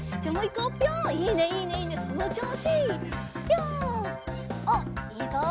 おっいいぞ！